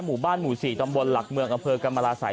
หมู่บ้านหมู่๔ตำบลหลักเมืองอำเภอกรมราศัย